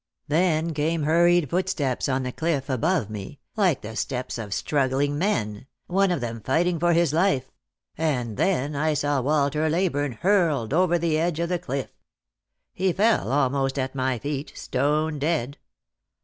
Then came hurried footsteps ©n the cliff above me, like the steps of struggling men, one of them fighting for his life ; and then I saw Walter Leyburne hurled over the edge of the cliff. He fell, almost at my feet, stone dead.